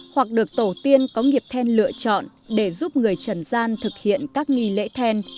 hoặc được tổ tiên có nghiệp then lựa chọn để giúp người trần gian thực hiện các nghi lễ then